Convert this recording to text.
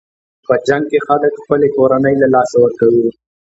په جنګ کې خلک خپلې کورنۍ له لاسه ورکوي.